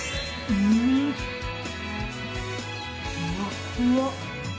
ふわふわ！